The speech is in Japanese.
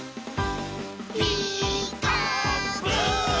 「ピーカーブ！」